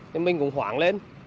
thì mình cũng hoảng lên